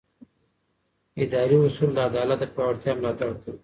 اداري اصول د عدالت د پیاوړتیا ملاتړ کوي.